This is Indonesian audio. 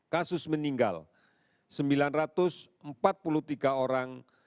kasus meninggal sembilan ratus empat puluh tiga orang